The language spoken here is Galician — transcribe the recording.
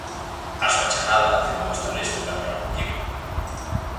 Á súa chegada afirmou estar listo para entrar no equipo.